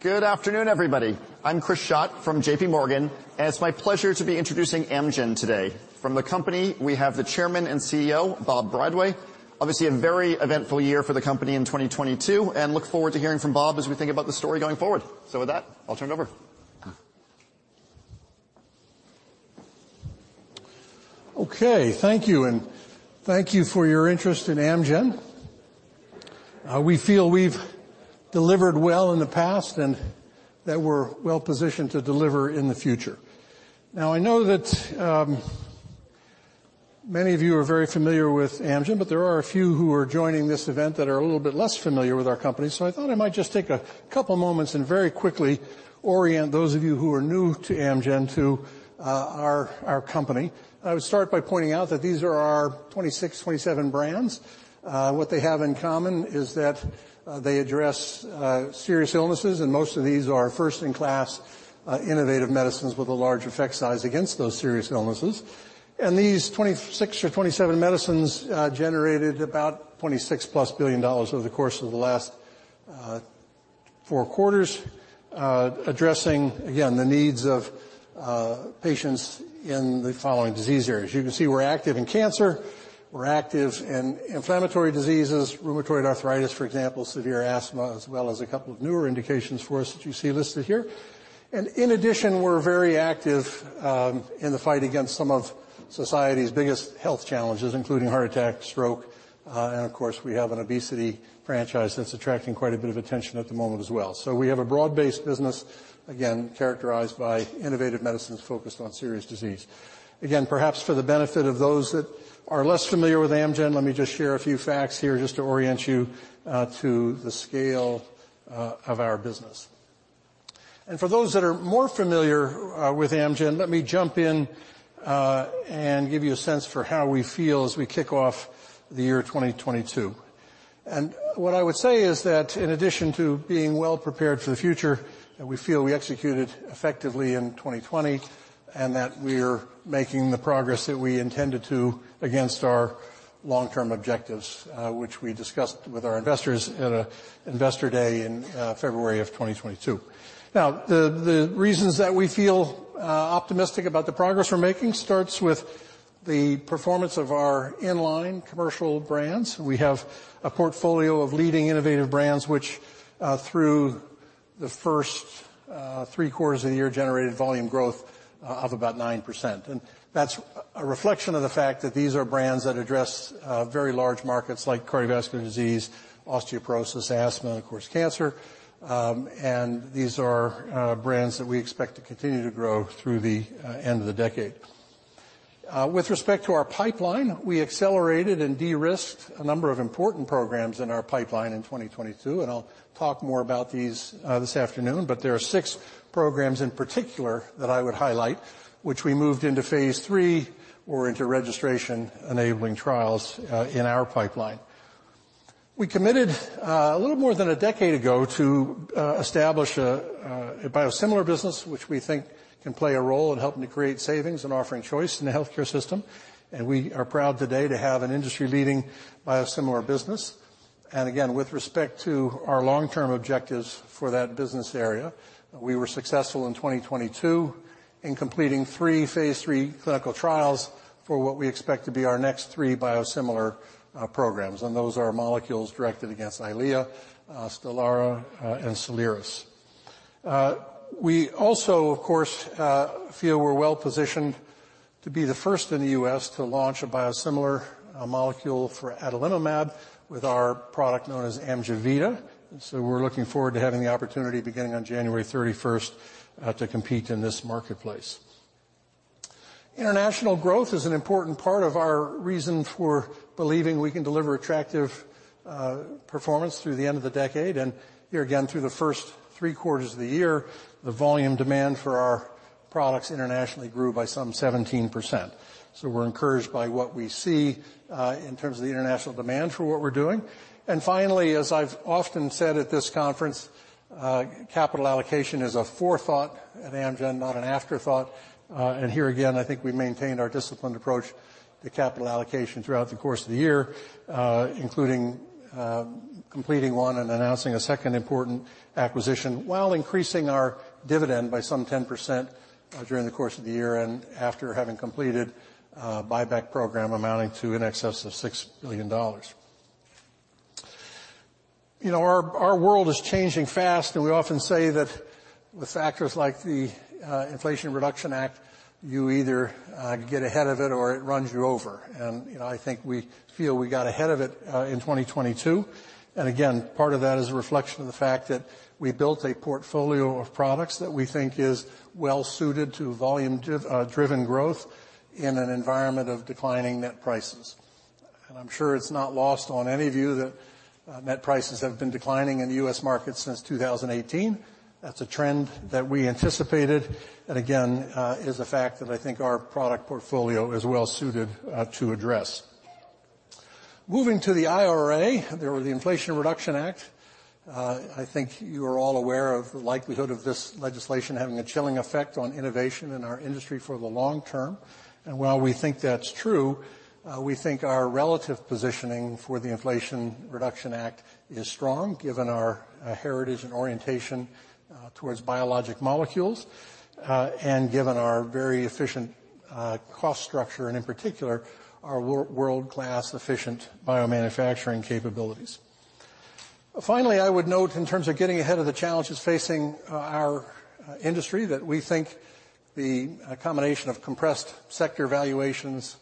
Good afternoon, everybody. I'm Chris Schott from JPMorgan. It's my pleasure to be introducing Amgen today. From the company, we have the Chairman and CEO, Bob Bradway. Obviously a very eventful year for the company in 2022. Look forward to hearing from Bob as we think about the story going forward. With that, I'll turn it over. Okay. Thank you. Thank you for your interest in Amgen. We feel we've delivered well in the past and that we're well-positioned to deliver in the future. Now, I know that many of you are very familiar with Amgen, there are a few who are joining this event that are a little bit less familiar with our company. I thought I might just take a couple moments and very quickly orient those of you who are new to Amgen to our company. I would start by pointing out that these are our 26, 27 brands. What they have in common is that they address serious illnesses, most of these are first-in-class innovative medicines with a large effect size against those serious illnesses. These 26 or 27 medicines generated about $26+ billion over the course of the last four quarters, addressing, again, the needs of patients in the following disease areas. You can see we're active in cancer, we're active in inflammatory diseases, rheumatoid arthritis, for example, severe asthma, as well as a couple of newer indications for us that you see listed here. In addition, we're very active in the fight against some of society's biggest health challenges, including heart attack, stroke, and of course, we have an obesity franchise that's attracting quite a bit of attention at the moment as well. We have a broad-based business, again, characterized by innovative medicines focused on serious disease. Again, perhaps for the benefit of those that are less familiar with Amgen, let me just share a few facts here just to orient you to the scale of our business. For those that are more familiar with Amgen, let me jump in and give you a sense for how we feel as we kick off the year 2022. What I would say is that in addition to being well prepared for the future, that we feel we executed effectively in 2020, and that we're making the progress that we intended to against our long-term objectives, which we discussed with our investors at a Investor Day in February of 2022. The reasons that we feel optimistic about the progress we're making starts with the performance of our in-line commercial brands. We have a portfolio of leading innovative brands which, through the first three quarters of the year generated volume growth of about 9%. That's a reflection of the fact that these are brands that address very large markets like cardiovascular disease, osteoporosis, asthma, and of course, cancer. These are brands that we expect to continue to grow through the end of the decade. With respect to our pipeline, we accelerated and de-risked a number of important programs in our pipeline in 2022, and I'll talk more about these this afternoon, but there are six programs in particular that I would highlight, which we moved into phase III or into registration-enabling trials in our pipeline. We committed a little more than a decade ago to establish a biosimilar business, which we think can play a role in helping to create savings and offering choice in the healthcare system. We are proud today to have an industry-leading biosimilar business. Again, with respect to our long-term objectives for that business area, we were successful in 2022 in completing three phase III clinical trials for what we expect to be our next three biosimilar programs. Those are molecules directed against EYLEA, STELARA, and SOLIRIS. We also, of course, feel we're well-positioned to be the first in the U.S. to launch a biosimilar molecule for adalimumab with our product known as AMJEVITA. We're looking forward to having the opportunity, beginning on January 31st, to compete in this marketplace. International growth is an important part of our reason for believing we can deliver attractive performance through the end of the decade. Here again, through the first three quarters of the year, the volume demand for our products internationally grew by some 17%. We're encouraged by what we see in terms of the international demand for what we're doing. Finally, as I've often said at this conference, capital allocation is a forethought at Amgen, not an afterthought. Here again, I think we maintained our disciplined approach to capital allocation throughout the course of the year, including completing one and announcing a second important acquisition while increasing our dividend by some 10% during the course of the year and after having completed a buyback program amounting to in excess of $6 billion. You know, our world is changing fast. We often say that with factors like the Inflation Reduction Act, you either get ahead of it or it runs you over. You know, I think we feel we got ahead of it in 2022. Again, part of that is a reflection of the fact that we built a portfolio of products that we think is well suited to volume driven growth in an environment of declining net prices. I'm sure it's not lost on any of you that net prices have been declining in the U.S. market since 2018. That's a trend that we anticipated, and again, is a fact that I think our product portfolio is well suited to address. Moving to the IRA, or the Inflation Reduction Act, I think you are all aware of the likelihood of this legislation having a chilling effect on innovation in our industry for the long term. While we think that's true, we think our relative positioning for the Inflation Reduction Act is strong, given our heritage and orientation towards biologic molecules, and given our very efficient cost structure and in particular, our world-class efficient biomanufacturing capabilities. Finally, I would note in terms of getting ahead of the challenges facing our industry, that we think a combination of compressed sector valuations,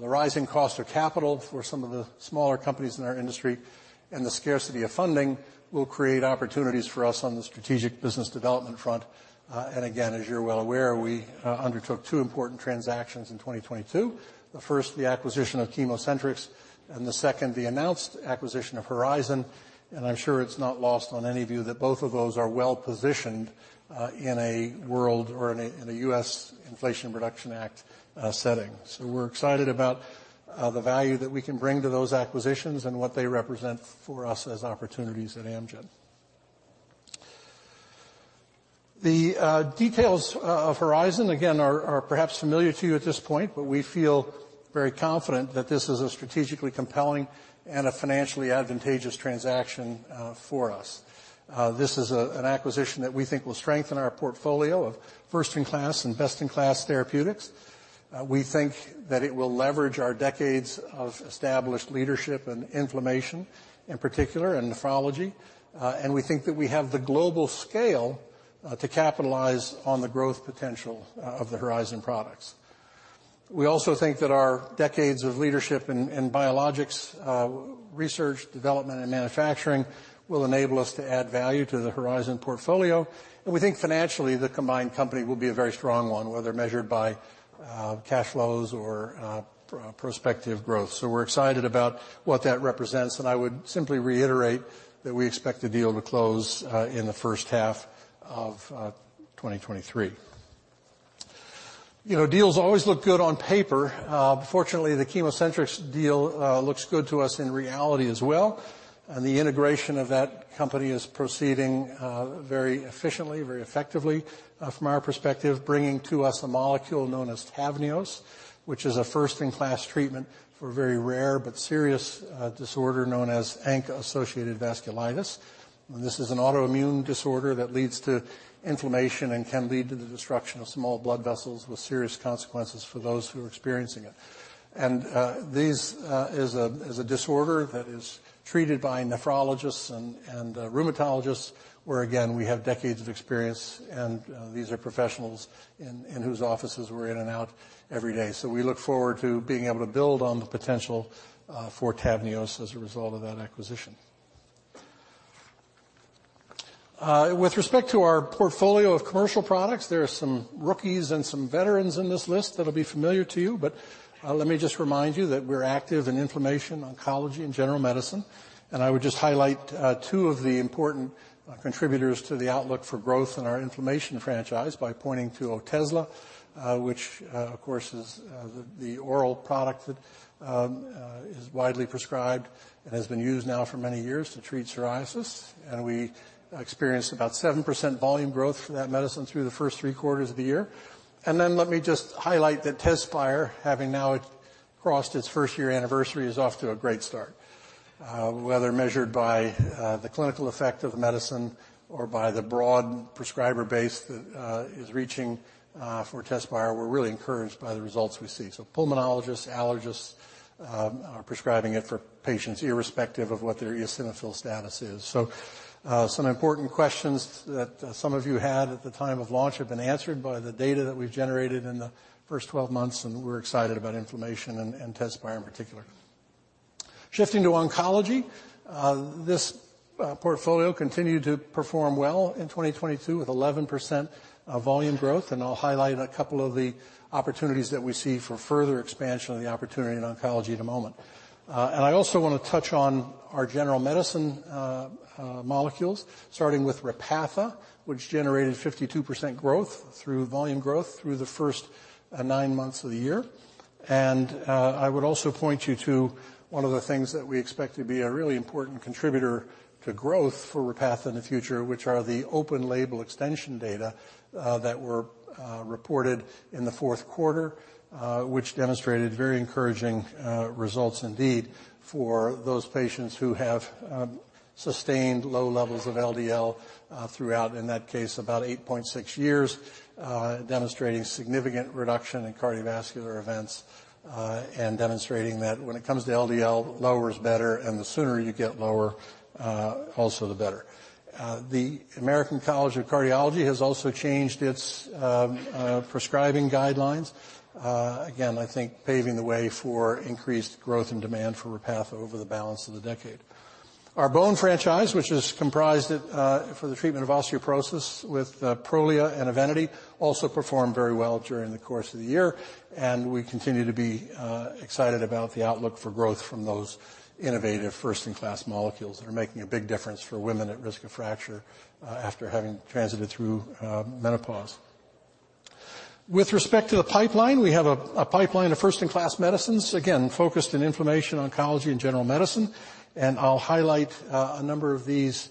the rising cost of capital for some of the smaller companies in our industry, and the scarcity of funding will create opportunities for us on the strategic business development front. Again, as you're well aware, we undertook two important transactions in 2022. The first, the acquisition of ChemoCentryx, and the second, the announced acquisition of Horizon. I'm sure it's not lost on any of you that both of those are well-positioned in a world or in a U.S. Inflation Reduction Act setting. We're excited about the value that we can bring to those acquisitions and what they represent for us as opportunities at Amgen. The details of Horizon again are perhaps familiar to you at this point, but we feel very confident that this is a strategically compelling and a financially advantageous transaction for us. This is an acquisition that we think will strengthen our portfolio of first in class and best in class therapeutics. We think that it will leverage our decades of established leadership in inflammation, in particular in nephrology. We think that we have the global scale to capitalize on the growth potential of the Horizon products. We also think that our decades of leadership in biologics research, development, and manufacturing will enable us to add value to the Horizon portfolio. We think financially, the combined company will be a very strong one, whether measured by cash flows or prospective growth. We're excited about what that represents, and I would simply reiterate that we expect the deal to close in the first half of 2023. You know, deals always look good on paper. Fortunately, the ChemoCentryx deal looks good to us in reality as well. The integration of that company is proceeding very efficiently, very effectively from our perspective, bringing to us a molecule known as TAVNEOS, which is a first in class treatment for a very rare but serious disorder known as ANCA-associated vasculitis. This is an autoimmune disorder that leads to inflammation and can lead to the destruction of small blood vessels with serious consequences for those who are experiencing it. This is a disorder that is treated by nephrologists and rheumatologists, where again, we have decades of experience. These are professionals in whose offices we're in and out every day. We look forward to being able to build on the potential for TAVNEOS as a result of that acquisition. With respect to our portfolio of commercial products, there are some rookies and some veterans in this list that'll be familiar to you, but let me just remind you that we're active in inflammation, oncology, and general medicine. I would just highlight two of the important contributors to the outlook for growth in our inflammation franchise by pointing to Otezla, which of course is the oral product that is widely prescribed and has been used now for many years to treat psoriasis. We experienced about 7% volume growth for that medicine through the first three quarters of the year. Let me just highlight that TEZSPIRE, having now crossed its first year anniversary, is off to a great start. Whether measured by the clinical effect of the medicine or by the broad prescriber base that is reaching for TEZSPIRE, we're really encouraged by the results we see. Pulmonologists, allergists, are prescribing it for patients irrespective of what their eosinophil status is. Some important questions that some of you had at the time of launch have been answered by the data that we've generated in the first 12 months, and we're excited about inflammation and TEZSPIRE in particular. Shifting to oncology, this portfolio continued to perform well in 2022 with 11% volume growth, and I'll highlight a couple of the opportunities that we see for further expansion of the opportunity in oncology in a moment. I also wanna touch on our general medicine molecules, starting with Repatha, which generated 52% growth through volume growth through the first nine months of the year. I would also point you to one of the things that we expect to be a really important contributor to growth for Repatha in the future, which are the open label extension data that were reported in the fourth quarter, which demonstrated very encouraging results indeed for those patients who have sustained low levels of LDL throughout, in that case, about 8.6 years, demonstrating significant reduction in cardiovascular events, and demonstrating that when it comes to LDL, lower is better, and the sooner you get lower, also the better. The American College of Cardiology has also changed its prescribing guidelines, again, I think paving the way for increased growth and demand for Repatha over the balance of the decade. Our bone franchise, which is comprised at for the treatment of osteoporosis with Prolia and EVENITY, also performed very well during the course of the year, and we continue to be excited about the outlook for growth from those innovative first in class molecules that are making a big difference for women at risk of fracture after having transited through menopause. With respect to the pipeline, we have a pipeline of first-in-class medicines, again, focused in inflammation, oncology and general medicine. I'll highlight a number of these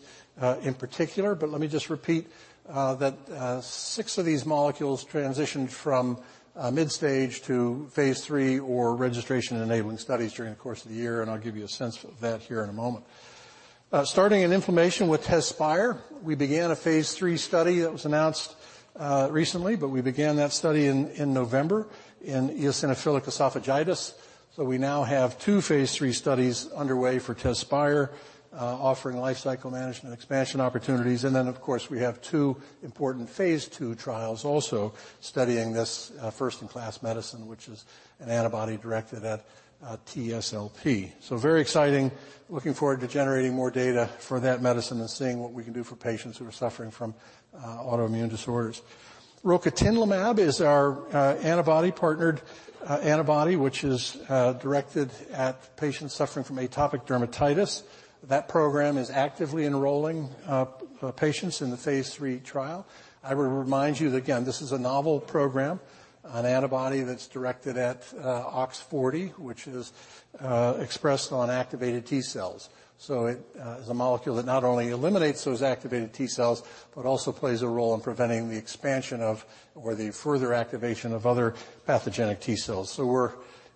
in particular, but let me just repeat that six of these molecules transitioned from mid-stage to phase III or registration-enabling studies during the course of the year, and I'll give you a sense of that here in a moment. Starting in inflammation with TEZSPIRE. We began a phase III study that was announced recently, but we began that study in November in eosinophilic esophagitis. We now have two phase III studies underway for TEZSPIRE, offering life cycle management expansion opportunities. Then, of course, we have two important phase II trials also studying this first-in-class medicine, which is an antibody directed at TSLP. Very exciting. Looking forward to generating more data for that medicine and seeing what we can do for patients who are suffering from autoimmune disorders. Rocatinlimab is our antibody partnered antibody, which is directed at patients suffering from atopic dermatitis. That program is actively enrolling patients in the phase III trial. I would remind you that, again, this is a novel program, an antibody that's directed at OX40, which is expressed on activated T cells. It is a molecule that not only eliminates those activated T cells, but also plays a role in preventing the expansion of or the further activation of other pathogenic T cells. We're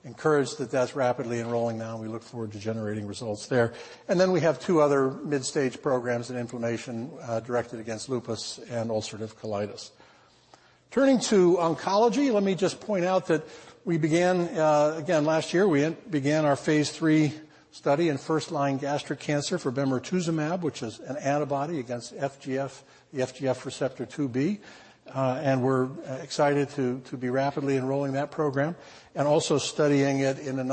encouraged that that's rapidly enrolling now, and we look forward to generating results there. We have two other mid-stage programs in inflammation directed against lupus and ulcerative colitis. Turning to oncology, let me just point out that we began again last year our phase III study in first-line gastric cancer for bemarituzumab, which is an antibody against FGF, the FGF receptor 2b. And we're excited to be rapidly enrolling that program and also studying it in a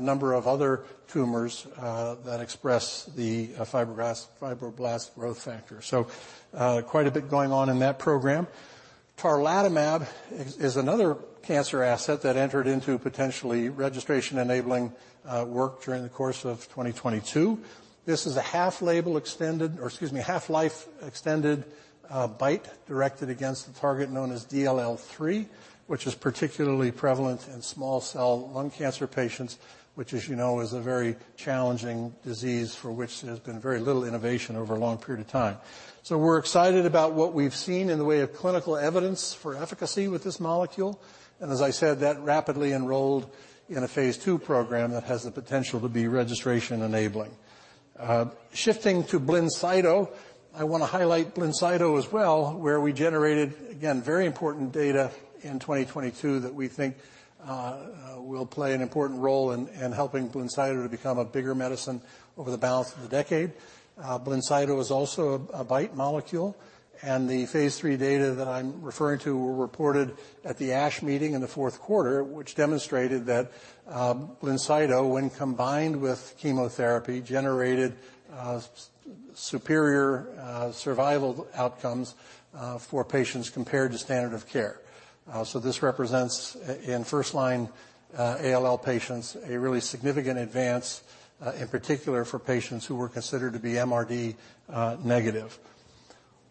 number of other tumors that express the fibroblast growth factor. Quite a bit going on in that program. Tarlatamab is another cancer asset that entered into potentially registration-enabling work during the course of 2022. This is a half-life extended BiTE directed against the target known as DLL3, which is particularly prevalent in small cell lung cancer patients, which, as you know, is a very challenging disease for which there's been very little innovation over a long period of time. We're excited about what we've seen in the way of clinical evidence for efficacy with this molecule, and as I said, that rapidly enrolled in a phase II program that has the potential to be registration-enabling. Shifting to BLINCYTO, I wanna highlight BLINCYTO as well, where we generated, again, very important data in 2022 that we think will play an important role in helping BLINCYTO to become a bigger medicine over the balance of the decade. BLINCYTO is also a BiTE molecule, and the phase III data that I'm referring to were reported at the ASH meeting in the fourth quarter, which demonstrated that BLINCYTO, when combined with chemotherapy, generated superior survival outcomes for patients compared to standard of care. This represents in first line ALL patients, a really significant advance in particular for patients who were considered to be MRD-negative.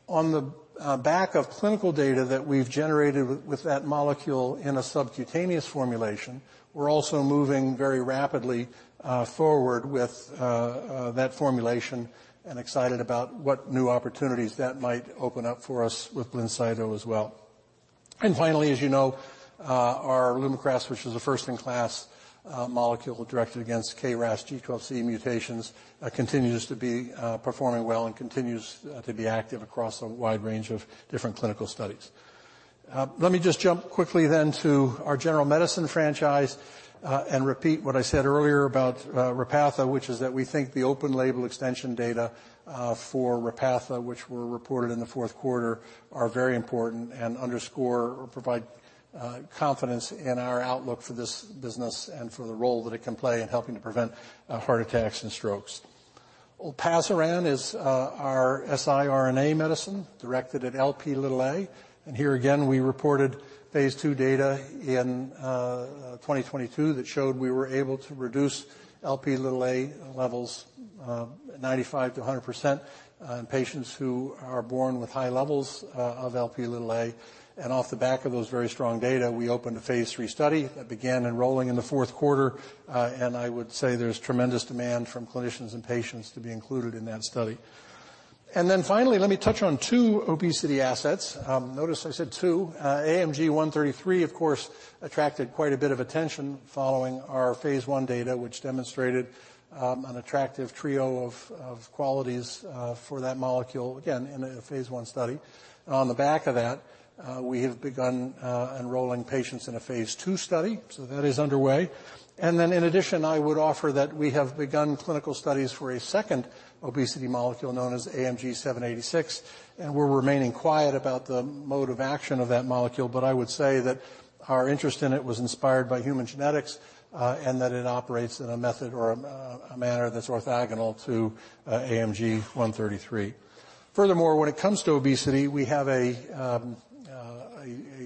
On the back of clinical data that we've generated with that molecule in a subcutaneous formulation, we're also moving very rapidly forward with that formulation and excited about what new opportunities that might open up for us with BLINCYTO as well. Finally, as you know, our LUMAKRAS, which is a first-in-class molecule directed against KRAS G12C mutations, continues to be performing well and continues to be active across a wide range of different clinical studies. Let me just jump quickly then to our general medicine franchise and repeat what I said earlier about Repatha, which is that we think the open label extension data for Repatha, which were reported in the fourth quarter, are very important and underscore or provide confidence in our outlook for this business and for the role that it can play in helping to prevent heart attacks and strokes. Olpasiran is our siRNA medicine directed at Lp(a). Here again, we reported phase II data in 2022 that showed we were able to reduce Lp(a) levels 95% to 100% on patients who are born with high levels of Lp(a). Off the back of those very strong data, we opened a phase III study that began enrolling in the fourth quarter, and I would say there's tremendous demand from clinicians and patients to be included in that study. Finally, let me touch on two obesity assets. Notice I said two. AMG 133, of course, attracted quite a bit of attention following our phase I data, which demonstrated an attractive trio of qualities for that molecule, again, in a phase I study. On the back of that, we have begun enrolling patients in a phase II study, so that is underway. In addition, I would offer that we have begun clinical studies for a second obesity molecule known as AMG 786, and we're remaining quiet about the mode of action of that molecule. I would say that our interest in it was inspired by human genetics, and that it operates in a method or a manner that's orthogonal to AMG 133. Furthermore, when it comes to obesity, we have a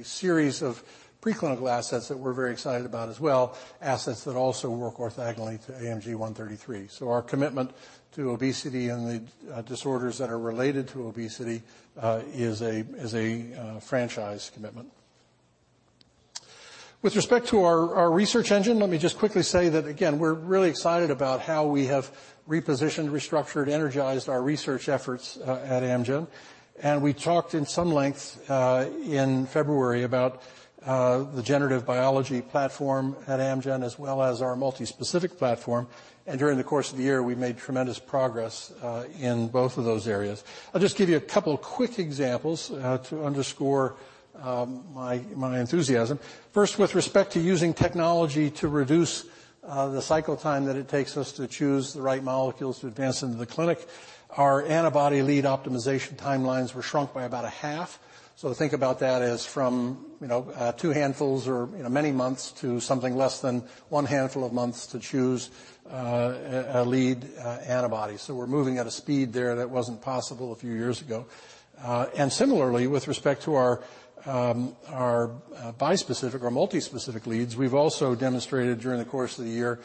series of preclinical assets that we're very excited about as well, assets that also work orthogonally to AMG 133. Our commitment to obesity and the disorders that are related to obesity is a franchise commitment. With respect to our research engine, let me just quickly say that again, we're really excited about how we have repositioned, restructured, energized our research efforts at Amgen. We talked in some length in February about the generative biology platform at Amgen, as well as our multispecific platform. During the course of the year, we made tremendous progress in both of those areas. I'll just give you a couple quick examples to underscore my enthusiasm. First, with respect to using technology to reduce the cycle time that it takes us to choose the right molecules to advance into the clinic, our antibody lead optimization timelines were shrunk by about a half. Think about that as from, you know, two handfuls or, you know, many months to something less than one handful of months to choose a lead antibody. We're moving at a speed there that wasn't possible a few years ago. Similarly, with respect to our multispecific leads, we've also demonstrated during the course of the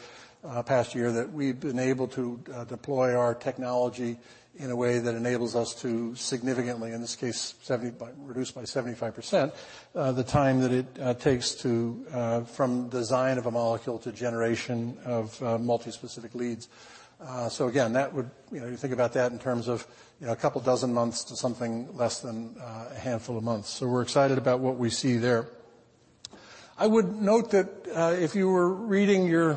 past year that we've been able to deploy our technology in a way that enables us to significantly, in this case, reduced by 75%, the time that it takes from design of a molecule to generation of multispecific leads. So again, that would, you know, you think about that in terms of, you know, a couple dozen months to something less than a handful of months. So we're excited about what we see there. I would note that if you were reading your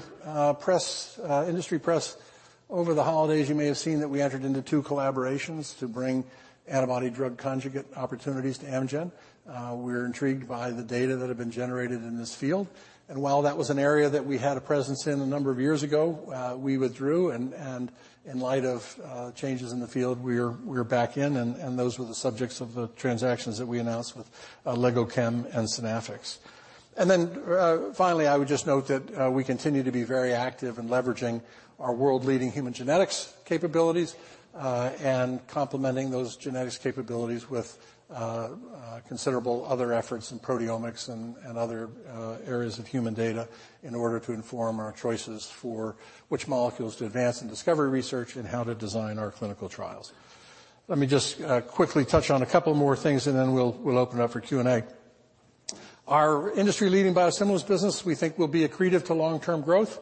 press, industry press over the holidays, you may have seen that we entered into two collaborations to bring antibody drug conjugate opportunities to Amgen. We're intrigued by the data that have been generated in this field. While that was an area that we had a presence in a number of years ago, we withdrew, in light of changes in the field, we're back in, and those were the subjects of the transactions that we announced with LegoChem and Synaffix. Finally, I would just note that we continue to be very active in leveraging our world-leading human genetics capabilities, and complementing those genetics capabilities with considerable other efforts in proteomics and other areas of human data in order to inform our choices for which molecules to advance in discovery research and how to design our clinical trials. Let me just quickly touch on a couple more things, and then we'll open up for Q&A. Our industry-leading biosimilars business, we think will be accretive to long-term growth.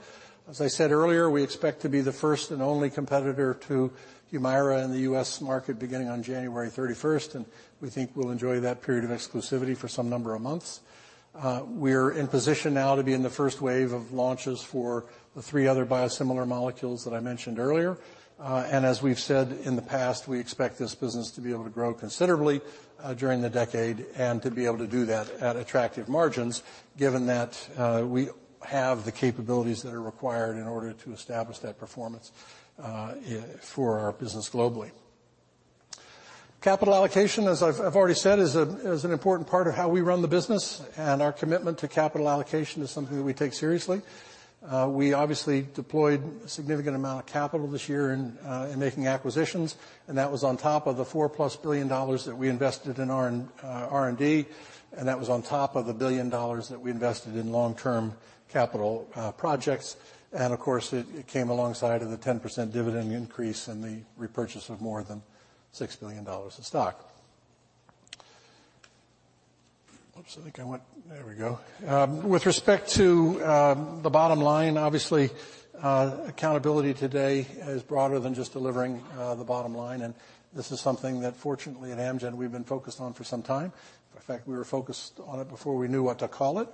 As I said earlier, we expect to be the first and only competitor to HUMIRA in the U.S. market beginning on January 31st. We think we'll enjoy that period of exclusivity for some number of months. We're in position now to be in the first wave of launches for the three other biosimilar molecules that I mentioned earlier. As we've said in the past, we expect this business to be able to grow considerably during the decade and to be able to do that at attractive margins, given that we have the capabilities that are required in order to establish that performance for our business globally. Capital allocation, as I've already said, is an important part of how we run the business. Our commitment to capital allocation is something that we take seriously. We obviously deployed a significant amount of capital this year in making acquisitions. That was on top of the $4+ billion that we invested in R&D. That was on top of the $1 billion that we invested in long-term capital projects. Of course, it came alongside of the 10% dividend increase and the repurchase of more than $6 billion of stock. Oops, there we go. With respect to the bottom line, obviously, accountability today is broader than just delivering the bottom line. This is something that fortunately at Amgen we've been focused on for some time. In fact, we were focused on it before we knew what to call it.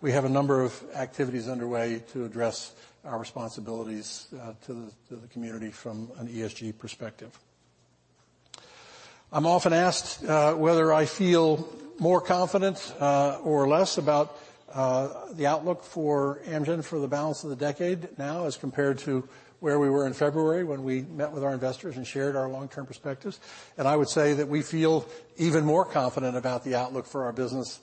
We have a number of activities underway to address our responsibilities, to the, to the community from an ESG perspective. I'm often asked, whether I feel more confident, or less about, the outlook for Amgen for the balance of the decade now as compared to where we were in February when we met with our investors and shared our long-term perspectives. I would say that we feel even more confident about the outlook for our business,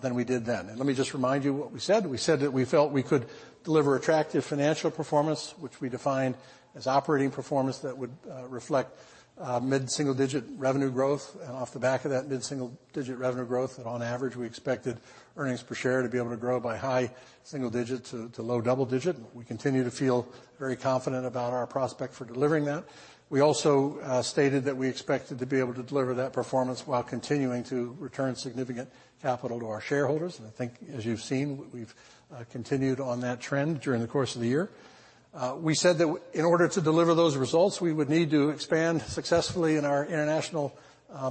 than we did then. Let me just remind you what we said. We said that we felt we could deliver attractive financial performance, which we define as operating performance that would, reflect, mid-single-digit revenue growth. Off the back of that mid-single-digit revenue growth, that on average, we expected earnings per share to be able to grow by high single digit to low double digit. We continue to feel very confident about our prospect for delivering that. We also stated that we expected to be able to deliver that performance while continuing to return significant capital to our shareholders. I think as you've seen, we've continued on that trend during the course of the year. We said that in order to deliver those results, we would need to expand successfully in our international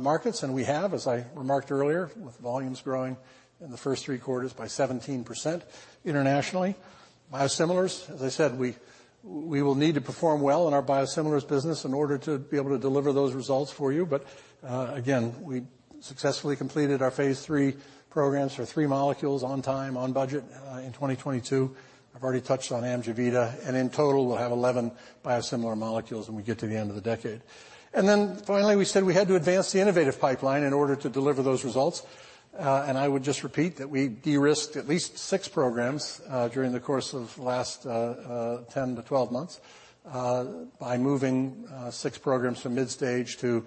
markets, and we have, as I remarked earlier, with volumes growing in the first three quarters by 17% internationally. Biosimilars, as I said, we will need to perform well in our biosimilars business in order to be able to deliver those results for you. Again, we successfully completed our phase III programs for three molecules on time, on budget, in 2022. I've already touched on AMJEVITA, and in total, we'll have 11 biosimilar molecules when we get to the end of the decade. Finally, we said we had to advance the innovative pipeline in order to deliver those results. I would just repeat that we de-risked at least six programs during the course of last 10 to 12 months by moving six programs from mid-stage to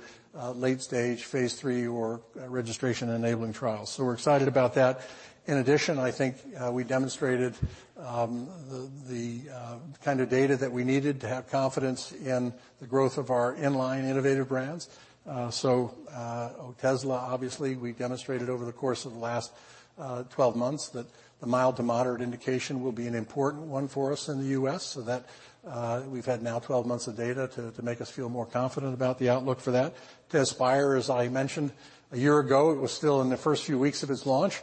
late stage, phase III or registration-enabling trials. We're excited about that. In addition, I think we demonstrated the kind of data that we needed to have confidence in the growth of our in-line innovative brands. Otezla, obviously, we demonstrated over the course of the last 12 months that the mild to moderate indication will be an important one for us in the U.S. so that we've had now 12 months of data to make us feel more confident about the outlook for that. TEZSPIRE, as I mentioned, a year ago, it was still in the first few weeks of its launch.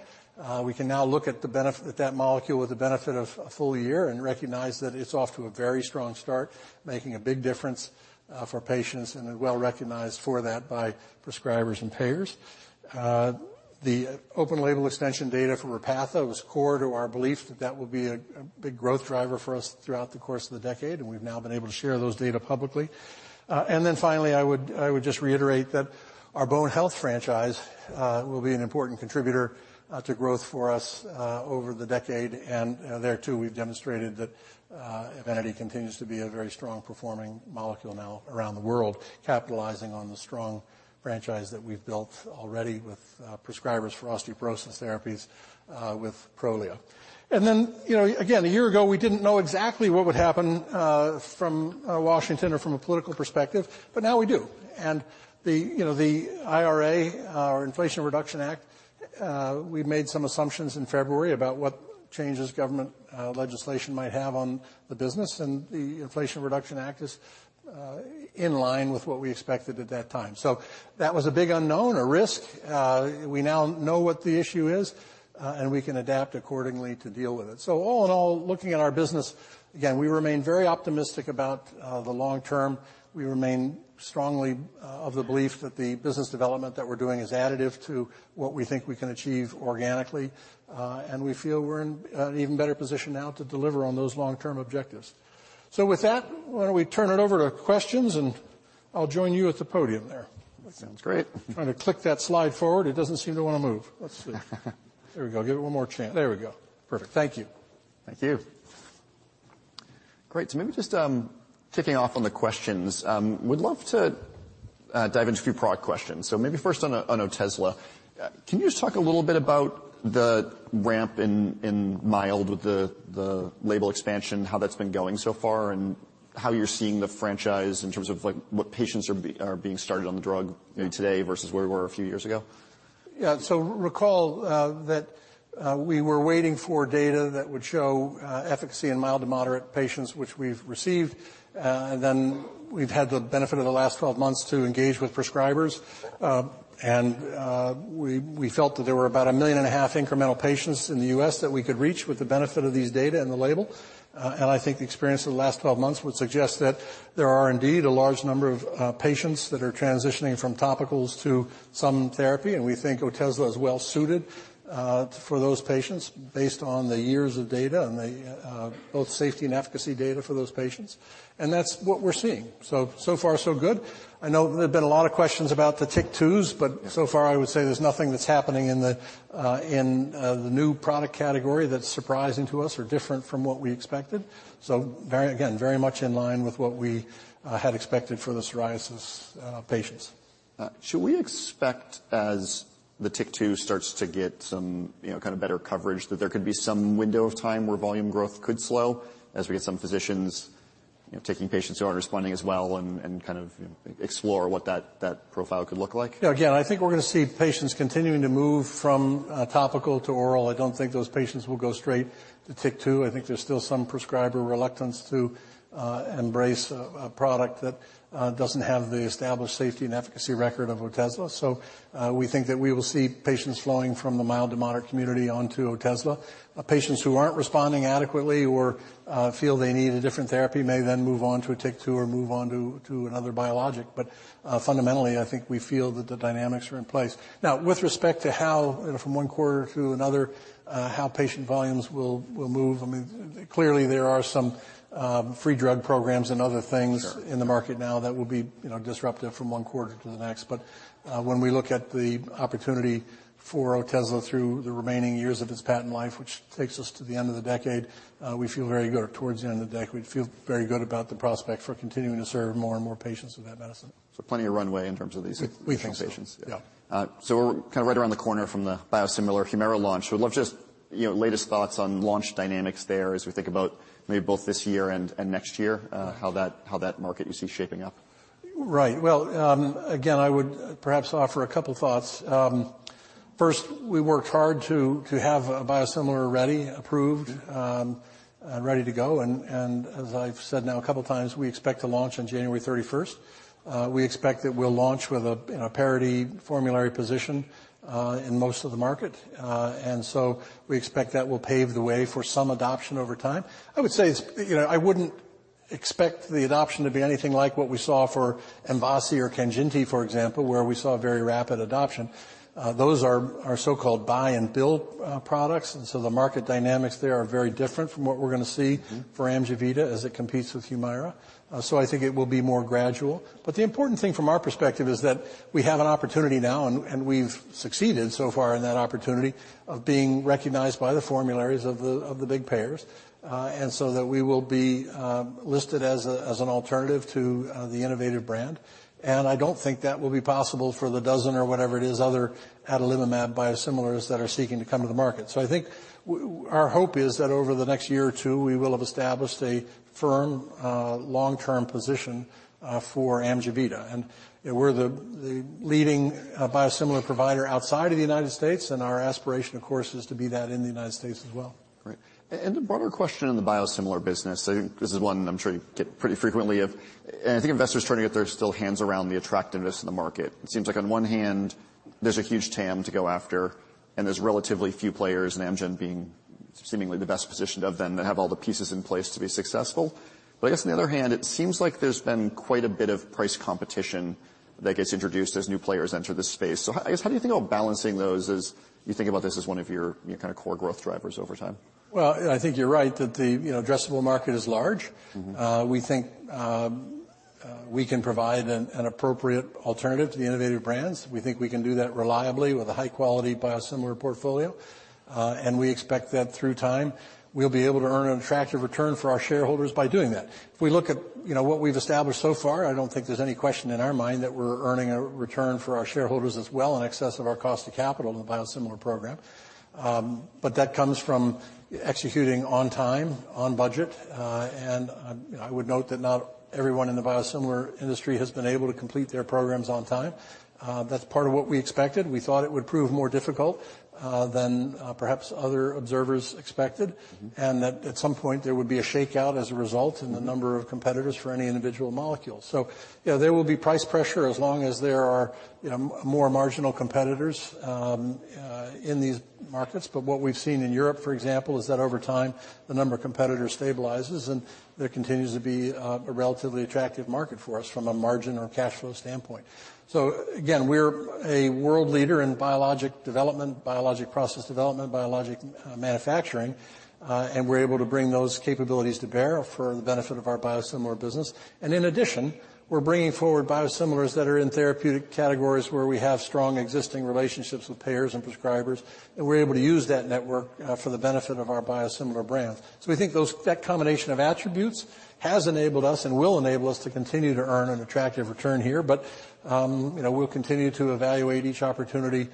We can now look at that molecule with the benefit of a full year and recognize that it's off to a very strong start, making a big difference for patients and are well-recognized for that by prescribers and payers. The open-label extension data for Repatha was core to our belief that that will be a big growth driver for us throughout the course of the decade, and we've now been able to share those data publicly. Finally, I would just reiterate that our bone health franchise will be an important contributor to growth for us over the decade. There too, we've demonstrated that EVENITY continues to be a very strong performing molecule now around the world, capitalizing on the strong franchise that we've built already with prescribers for osteoporosis therapies with Prolia. You know, again, a year ago, we didn't know exactly what would happen from Washington or from a political perspective, but now we do. The, you know, the IRA, or Inflation Reduction Act, we made some assumptions in February about what changes government legislation might have on the business, and the Inflation Reduction Act is in line with what we expected at that time. That was a big unknown, a risk. We now know what the issue is, and we can adapt accordingly to deal with it. All in all, looking at our business, again, we remain very optimistic about the long term. We remain strongly of the belief that the business development that we're doing is additive to what we think we can achieve organically. We feel we're in an even better position now to deliver on those long-term objectives. With that, why don't we turn it over to questions, and I'll join you at the podium there. That sounds great. Trying to click that slide forward. It doesn't seem to wanna move. Let's see. There we go. Give it one more chance. There we go. Perfect. Thank you. Thank you. Great. Maybe just kicking off on the questions, would love to dive into a few product questions. Maybe first on Otezla. Can you just talk a little bit about the ramp in mild with the label expansion, how that's been going so far, and how you're seeing the franchise in terms of, like, what patients are being started on the drug, you know, today versus where we were a few years ago? Recall that we were waiting for data that would show efficacy in mild to moderate patients, which we've received. We've had the benefit of the last 12 months to engage with prescribers. We felt that there were about 1.5 million incremental patients in the U.S. that we could reach with the benefit of these data and the label. I think the experience of the last 12 months would suggest that there are indeed a large number of patients that are transitioning from topicals to some therapy, and we think Otezla is well suited for those patients based on the years of data and the both safety and efficacy data for those patients. That's what we're seeing. So far, so good. I know there have been a lot of questions about the TYK2, but so far I would say there's nothing that's happening in the new product category that's surprising to us or different from what we expected. Very, again, very much in line with what we had expected for the psoriasis patients. Should we expect as the TYK2 starts to get some, you know, kind of better coverage, that there could be some window of time where volume growth could slow as we get some physicians, you know, taking patients who aren't responding as well and kind of explore what that profile could look like? Yeah. Again, I think we're gonna see patients continuing to move from topical to oral. I don't think those patients will go straight to TYK2. I think there's still some prescriber reluctance to embrace a product that doesn't have the established safety and efficacy record of Otezla. We think that we will see patients flowing from the mild to moderate community onto Otezla. Patients who aren't responding adequately or feel they need a different therapy may then move on to a TYK2 or move on to another biologic. Fundamentally, I think we feel that the dynamics are in place. Now with respect to how from one quarter to another, how patient volumes will move, I mean, clearly there are some free drug programs and other things. Sure. In the market now that will be, you know, disruptive from one quarter to the next. When we look at the opportunity for Otezla through the remaining years of its patent life, which takes us to the end of the decade, we feel very good. Towards the end of the decade, we feel very good about the prospect for continuing to serve more and more patients with that medicine. Plenty of runway in terms of. We think so. Patients. Yeah. Yeah. We're kinda right around the corner from the biosimilar HUMIRA launch. Would love just, you know, latest thoughts on launch dynamics there as we think about maybe both this year and next year, how that market you see shaping up? Right. Well, again, I would perhaps offer a couple thoughts. First, we worked hard to have a biosimilar ready, approved, ready to go. As I've said now a couple times, we expect to launch on January 31st. We expect that we'll launch with a, you know, parity formulary position in most of the market. So we expect that will pave the way for some adoption over time. I would say it's, you know, I wouldn't expect the adoption to be anything like what we saw for MVASI or KANJINTI, for example, where we saw very rapid adoption. Those are so-called buy-and-bill products. The market dynamics there are very different from what we're gonna see. Mm-hmm. For AMJEVITA as it competes with HUMIRA. I think it will be more gradual. The important thing from our perspective is that we have an opportunity now, and we've succeeded so far in that opportunity of being recognized by the formularies of the big payers, and so that we will be listed as an alternative to the innovative brand. I don't think that will be possible for the dozen or whatever it is other adalimumab biosimilars that are seeking to come to the market. I think our hope is that over the next year or two, we will have established a firm, long-term position for AMJEVITA. You know, we're the leading biosimilar provider outside of the United States, and our aspiration, of course, is to be that in the United States as well. Great. A broader question on the biosimilar business. This is one I'm sure you get pretty frequently of, and I think investors trying to get their still hands around the attractiveness in the market. It seems like on one hand, there's a huge TAM to go after, and there's relatively few players, Amgen being seemingly the best positioned of them that have all the pieces in place to be successful. I guess on the other hand, it seems like there's been quite a bit of price competition that gets introduced as new players enter this space. How, I guess how do you think about balancing those as you think about this as one of your kinda core growth drivers over time? Well, I think you're right that the, you know, addressable market is large. Mm-hmm. We think we can provide an appropriate alternative to the innovative brands. We think we can do that reliably with a high quality biosimilar portfolio. We expect that through time we'll be able to earn an attractive return for our shareholders by doing that. If we look at, you know, what we've established so far, I don't think there's any question in our mind that we're earning a return for our shareholders as well, in excess of our cost of capital in the biosimilar program. That comes from executing on time, on budget. You know, I would note that not everyone in the biosimilar industry has been able to complete their programs on time. That's part of what we expected. We thought it would prove more difficult than perhaps other observers expected. Mm-hmm. That at some point there would be a shakeout as a result. Mm-hmm. In the number of competitors for any individual molecule. You know, there will be price pressure as long as there are, you know, more marginal competitors in these markets, but what we've seen in Europe, for example, is that over time, the number of competitors stabilizes and there continues to be a relatively attractive market for us from a margin or cashflow standpoint. Again, we're a world leader in biologic development, biologic process development, biologic manufacturing, and we're able to bring those capabilities to bear for the benefit of our biosimilar business. In addition, we're bringing forward biosimilars that are in therapeutic categories where we have strong existing relationships with payers and prescribers, and we're able to use that network for the benefit of our biosimilar brands. We think those combination of attributes has enabled us and will enable us to continue to earn an attractive return here. You know, we'll continue to evaluate each opportunity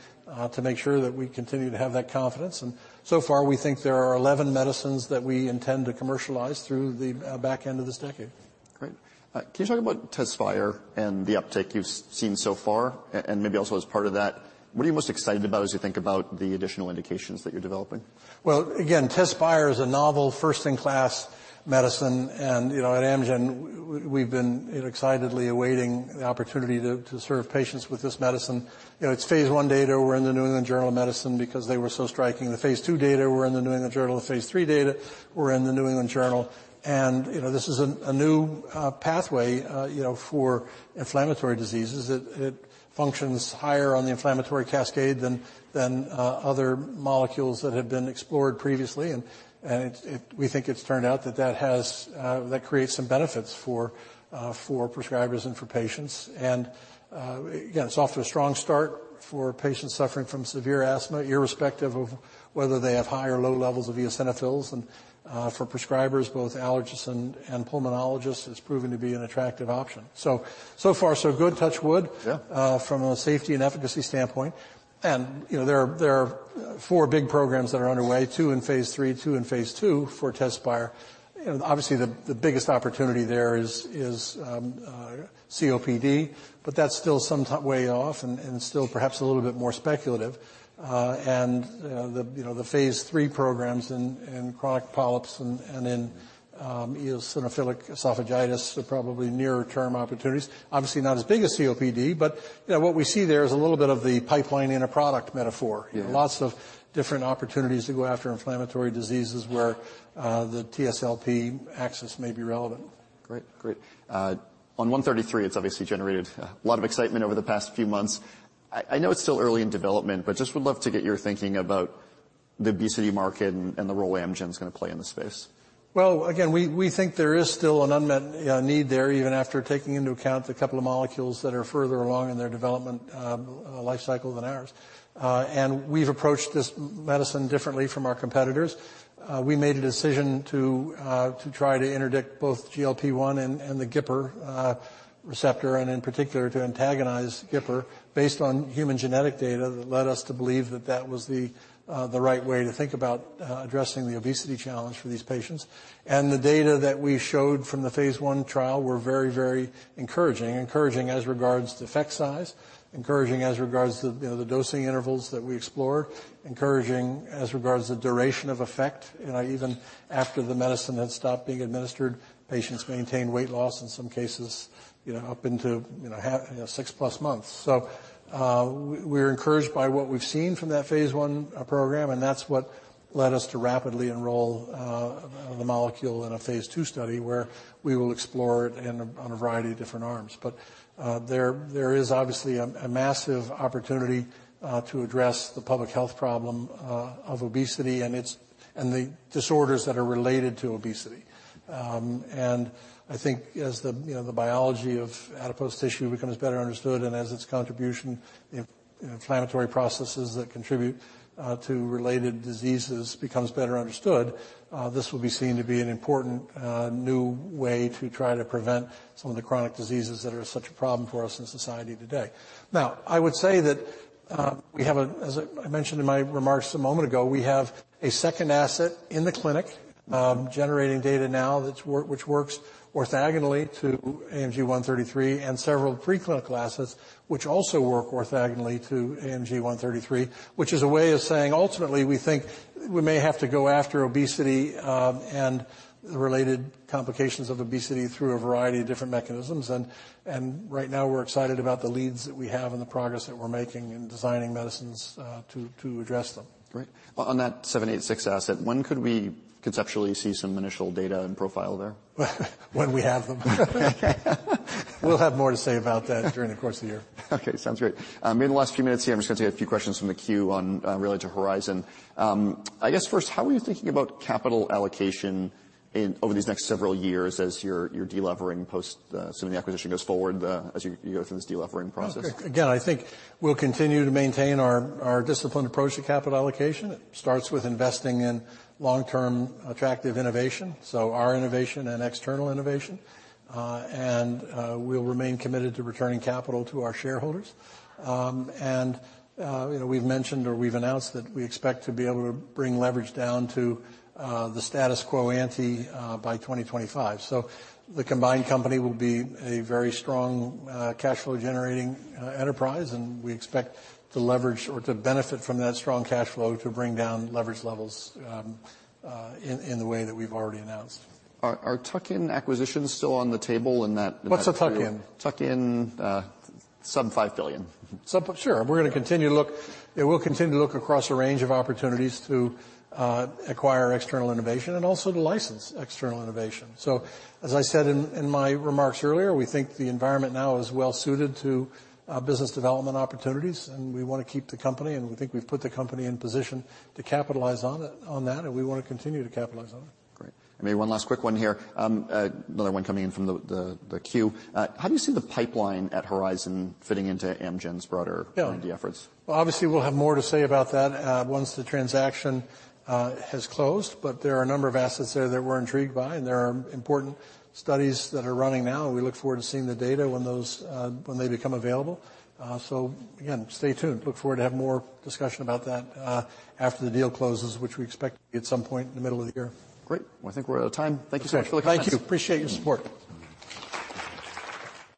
to make sure that we continue to have that confidence. So far, we think there are 11 medicines that we intend to commercialize through the back end of this decade. Great. Can you talk about TEZSPIRE and the uptake you've seen so far? Maybe also as part of that, what are you most excited about as you think about the additional indications that you're developing? Well, again, TEZSPIRE is a novel first-in-class medicine and, you know, at Amgen, we've been excitedly awaiting the opportunity to serve patients with this medicine. You know, its phase I data were in The New England Journal of Medicine because they were so striking. The phase II data were in The New England Journal. The phase III data were in The New England Journal. You know, this is a new pathway, you know, for inflammatory diseases that it functions higher on the inflammatory cascade than other molecules that had been explored previously. We think it's turned out that that has that creates some benefits for prescribers and for patients. Again, it's off to a strong start for patients suffering from severe asthma, irrespective of whether they have high or low levels of eosinophils. For prescribers, both allergists and pulmonologists, it's proven to be an attractive option. So far so good, touch wood. Yeah. From a safety and efficacy standpoint. You know, there are four big programs that are underway, two in phase III, two in phase II for TEZSPIRE. You know, obviously the biggest opportunity there is COPD, but that's still some way off and still perhaps a little bit more speculative. You know, the phase III programs in chronic polyps and in eosinophilic esophagitis are probably nearer term opportunities. Obviously not as big as COPD, but, you know, what we see there is a little bit of the pipeline in a product metaphor. Yeah. Lots of different opportunities to go after inflammatory diseases where the TSLP axis may be relevant. Great. On AMG 133, it's obviously generated a lot of excitement over the past few months. I know it's still early in development, but just would love to get your thinking about the obesity market and the role Amgen's gonna play in the space. Again, we think there is still an unmet need there, even after taking into account the couple of molecules that are further along in their development lifecycle than ours. We've approached this medicine differently from our competitors. We made a decision to try to interdict both GLP-1 and the GIPR receptor, and in particular to antagonize GIPR based on human genetic data that led us to believe that that was the right way to think about addressing the obesity challenge for these patients. The data that we showed from the phase I trial were very encouraging. Encouraging as regards to effect size, encouraging as regards to, you know, the dosing intervals that we explore, encouraging as regards to duration of effect. You know, even after the medicine had stopped being administered, patients maintained weight loss, in some cases, you know, up into six-plus months. We're encouraged by what we've seen from that phase I program, and that's what led us to rapidly enroll the molecule in a phase II study where we will explore it on a variety of different arms. There is obviously a massive opportunity to address the public health problem of obesity and the disorders that are related to obesity. I think as the, you know, the biology of adipose tissue becomes better understood and as its contribution in inflammatory processes that contribute to related diseases becomes better understood, this will be seen to be an important new way to try to prevent some of the chronic diseases that are such a problem for us in society today. I would say that we have, as I mentioned in my remarks a moment ago, we have a second asset in the clinic, generating data now that works orthogonally to AMG 133, and several preclinical assets which also work orthogonally to AMG 133, which is a way of saying ultimately we think we may have to go after obesity and the related complications of obesity through a variety of different mechanisms. Right now we're excited about the leads that we have and the progress that we're making in designing medicines to address them. Great. On that AMG 786 asset, when could we conceptually see some initial data and profile there? When we have them. We'll have more to say about that during the course of the year. Okay, sounds great. In the last few minutes here, I'm just gonna take a few questions from the queue on related to Horizon. I guess, first, how are you thinking about capital allocation over these next several years as you're de-levering post, assuming the acquisition goes forward, as you go through this de-levering process? I think we'll continue to maintain our disciplined approach to capital allocation. It starts with investing in long-term attractive innovation, so our innovation and external innovation. We'll remain committed to returning capital to our shareholders. You know, we've mentioned or we've announced that we expect to be able to bring leverage down to the status quo ante by 2025. The combined company will be a very strong cash flow generating enterprise, and we expect to leverage or to benefit from that strong cash flow to bring down leverage levels in the way that we've already announced. Are tuck-in acquisitions still on the table in that. What's a tuck-in? Tuck-in, sub-$5 billion. Sure. We'll continue to look across a range of opportunities to acquire external innovation and also to license external innovation. As I said in my remarks earlier, we think the environment now is well suited to business development opportunities, and we wanna keep the company, and we think we've put the company in position to capitalize on it, on that, and we wanna continue to capitalize on it. Great. Maybe one last quick one here. Another one coming in from the queue. How do you see the pipeline at Horizon fitting into Amgen's broader R&D efforts? Obviously, we'll have more to say about that, once the transaction has closed, but there are a number of assets there that we're intrigued by, and there are important studies that are running now. We look forward to seeing the data when those, when they become available. Again, stay tuned. Look forward to have more discussion about that, after the deal closes, which we expect at some point in the middle of the year. Great. Well, I think we're out of time. Thank you so much for the time. Thank you. Appreciate your support.